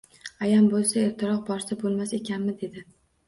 Ayam boʻlsa ertaroq borsa boʻlmas ekanmi dedi